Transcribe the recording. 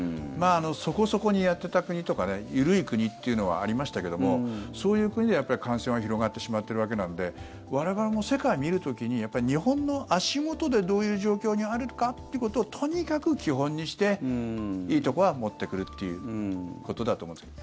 そこそこにやってた国とか緩い国というのはありましたけどそういう国で感染が広がってしまっているわけなので我々も世界を見る時に日本の足元でどういう状況にあるかということをとにかく基本にしていいところは持ってくるということだと思うんです。